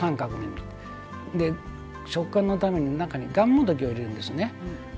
そして、食感のためにがんもどきを入れるんですね。